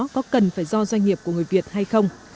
có cần phải do doanh nghiệp của người việt hay không